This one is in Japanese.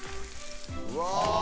うわ。